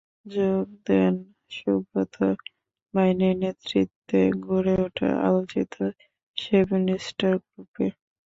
যোগ দেন সুব্রত বাইনের নেতৃত্বে গড়ে ওঠা আলোচিত সেভেন স্টার গ্রুপে।